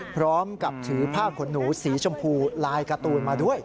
พร้อมกับถือผ้าขนหนูสีชมพูลายการ์ตูนมาด้วย